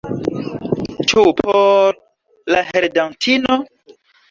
Ĉu por la heredantino?